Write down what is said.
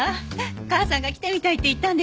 母さんが来てみたいって言ったんでしょ。